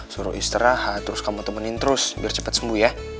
suruh istirahat terus kamu temenin terus biar cepat sembuh ya